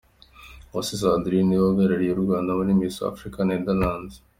Uwase Sandrine ni we uhagarariye u Rwanda muri Miss Africa Netherland.